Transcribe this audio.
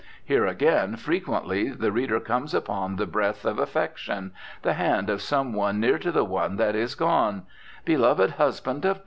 Here again, frequently, the reader comes upon the breath of affection, the hand of some one near to the one that is gone: "Beloved husband of